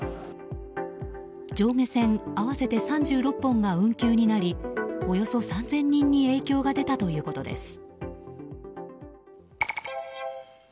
上下線合わせて３６本が運休になりおよそ３０００人に影響が出たということです。